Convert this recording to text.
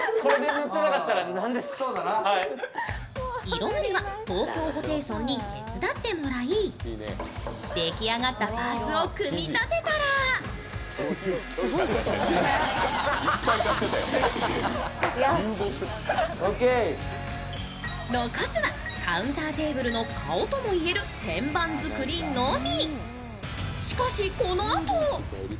色塗りは東京ホテイソンに手伝ってもらい、出来上がったパーツを組み立てたら残すはカウンターテーブルの顔とも言える天板作りのみ。